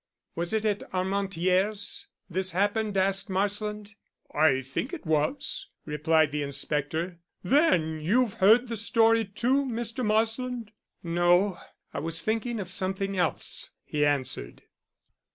"Was it at Armentières this happened?" asked Marsland. "I think it was," replied the inspector. "Then you've heard the story, too, Mr. Marsland?" "No, I was thinking of something else," he answered.